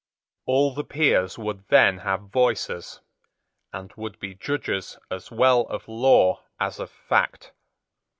All the peers would then have voices, and would be judges as well of law as of fact.